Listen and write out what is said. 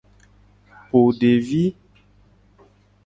Po devi.